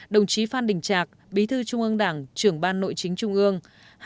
hai mươi hai đồng chí phan đình trạc bí thư trung ương đảng trưởng ban nội chính trung ương